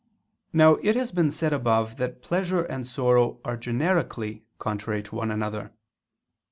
Now it has been said above that pleasure and sorrow are generically contrary to one another.